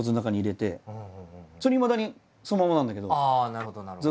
なるほどなるほど。